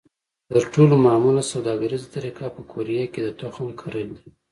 تر ټولو معموله سوداګریزه طریقه په قوریه کې د تخم کرل دي.